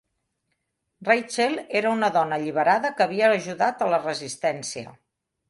Rachel era una dona alliberada que havia ajudat la resistència.